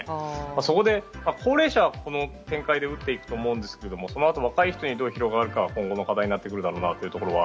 そこで、高齢者はこの展開で打っていくと思いますが若い人にどう広がるかが今後の課題になるだろうなと。